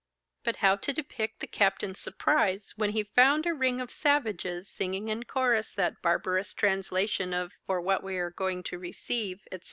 But how to depict the captain's surprise when he found a ring of savages singing in chorus that barbarous translation of 'For what we are going to receive,' &c.